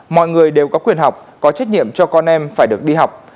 mọi người đều có quyền học có trách nhiệm cho con em phải được đi học